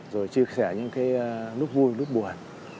rồi chia sẻ những cái lúc vui lúc buồn